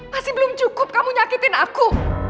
masih belum cukup kamu nyakipin aku